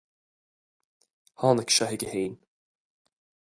Tháinig sé chuige féin